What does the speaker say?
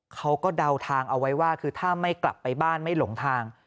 เดาทางเอาไว้ว่าคือถ้าไม่กลับไปบ้านไม่หลงทาง